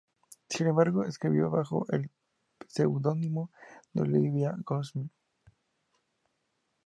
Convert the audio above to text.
Sin embargo, escribió bajo el pseudónimo de Olivia Goldsmith.